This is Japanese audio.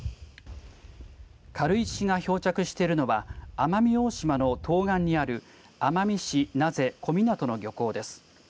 軽石が漂着しているのは奄美大島の東岸にある奄美市名瀬小湊の漁港です。